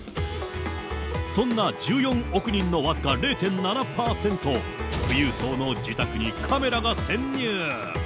そんな１４億人の僅か０．７％、富裕層の自宅にカメラが潜入。